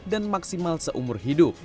dan maksimal seumur